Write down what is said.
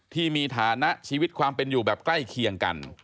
ที่มีฐานะชีวิตความเป็นอยู่แบบใกล้เคียงกัน